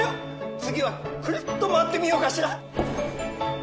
次はクルッと回ってみようかしら？